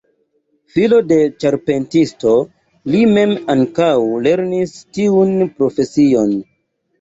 Filo de ĉarpentisto, li mem ankaŭ lernis tiun profesion.